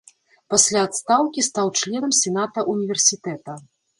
Пасля адстаўкі стаў членам сената ўніверсітэта.